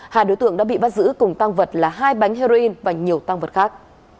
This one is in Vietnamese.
hai đối tượng đã bị bắt giữ cùng tăng vật là hai bánh heroin và nhiều tăng vật khác